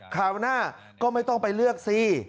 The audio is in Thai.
คราวหน้าก็ไม่ต้องไปเลือกสิ